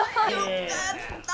よかったわ。